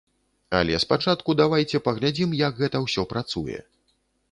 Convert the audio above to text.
Але спачатку давайце паглядзім, як гэта ўсё працуе.